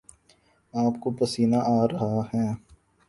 آپ کو پسینہ آرہا ہے